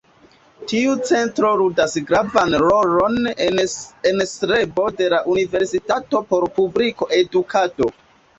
Tiu centro ludas gravan rolon en strebo de la Universitato por publika edukado.